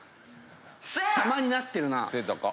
様になってるな。